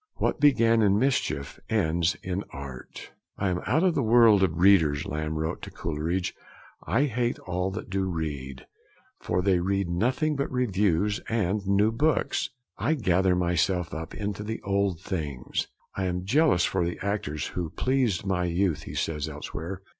What began in mischief ends in art. II 'I am out of the world of readers,' Lamb wrote to Coleridge, 'I hate all that do read, for they read nothing but reviews and new books. I gather myself up into the old things.' 'I am jealous for the actors who pleased my youth,' he says elsewhere.